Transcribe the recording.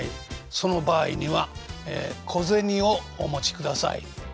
その場合には小銭をお持ちください。